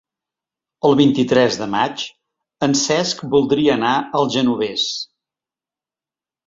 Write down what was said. El vint-i-tres de maig en Cesc voldria anar al Genovés.